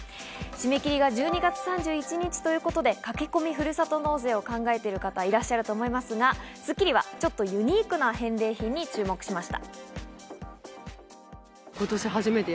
締め切りが１２月３１日ということで、駆け込みふるさと納税を考えていらっしゃる方もいると思いますが『スッキリ』はちょっとユニークな返礼品に注目しました。